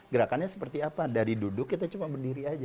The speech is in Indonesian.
gerakannya seperti apa dari duduk kita cuma berdiri aja